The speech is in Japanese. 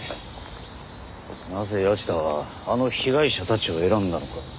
なぜ谷内田はあの被害者たちを選んだのか。